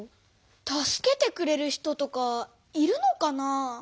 助けてくれる人とかいるのかなあ？